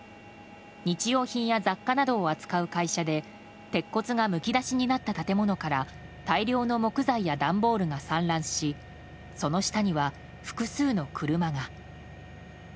日用品や雑貨などを扱う会社で鉄骨がむき出しになった建物から大量の木材や段ボールが散乱しその下には複数の車が。